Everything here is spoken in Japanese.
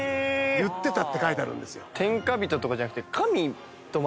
言ってたって書いてあるんですよ。